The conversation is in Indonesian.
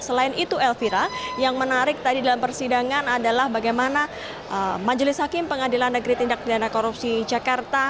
selain itu elvira yang menarik tadi dalam persidangan adalah bagaimana majelis hakim pengadilan negeri tindak pidana korupsi jakarta